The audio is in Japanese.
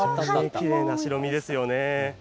きれいな白身ですよね。